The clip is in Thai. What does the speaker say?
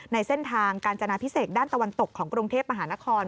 ในเส้นทางกาญจนาพิเศษด้านตะวันตกของกรุงเทพมหานคร